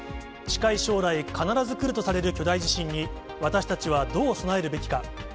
近い将来、必ず来るとされる巨大地震に、私たちはどう備えるべきか。